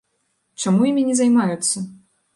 Чаму імі не займаюцца?